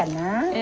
え